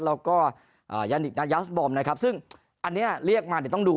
แล้วก็อ่ายายานะครับซึ่งอันเนี้ยเรียกมาเดี๋ยวต้องดู